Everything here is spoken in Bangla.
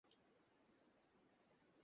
আমার উপর চিল্লাবে।